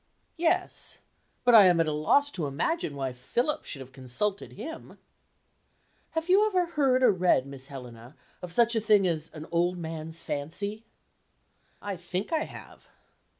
"Yes. But I am at a loss to imagine why Philip should have consulted him." "Have you ever heard or read, Miss Helena, of such a thing as 'an old man's fancy'?" "I think I have."